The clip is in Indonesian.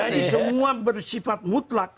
jadi semua bersifat mutlak